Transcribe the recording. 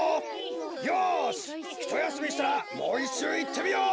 よしひとやすみしたらもういっしゅういってみよう！